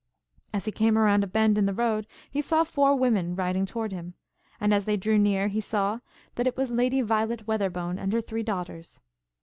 As he came around a bend in the road, he saw four women riding toward him, and as they drew near, he saw that it was Lady Violet Weatherbone and her three daughters.